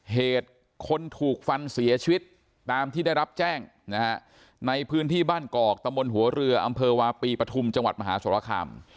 เหตุคนถูกฟันเสียชีวิตตามที่ได้รับแจ้งนะฮะในพื้นที่บ้านกอกตำบลหัวเรืออำเภอวาปีปฐุมจังหวัดมหาสรคาม